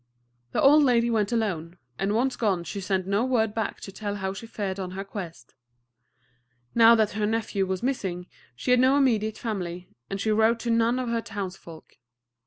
The old lady went alone, and once gone she sent no word back to tell how she fared on her quest. Now that her nephew was missing, she had no immediate family; and she wrote to none of her townsfolk.